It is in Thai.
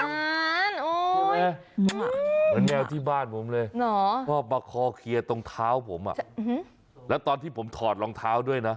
เหมือนแมวที่บ้านผมเลยชอบมาคอเคลียร์ตรงเท้าผมอ่ะแล้วตอนที่ผมถอดรองเท้าด้วยนะ